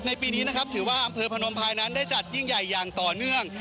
ปีนี้นะครับถือว่าอำเภอพนมภายนั้นได้จัดยิ่งใหญ่อย่างต่อเนื่อง